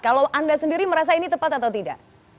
kalau anda sendiri merasa ini tepat atau tidak